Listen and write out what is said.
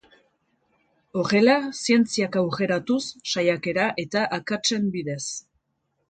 Horrela zientziak aurreratuz saiakera eta akatsen bidez.